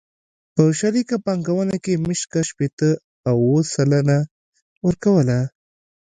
په شریکه پانګونه کې مېشت کس شپېته اووه سلنه ورکوله.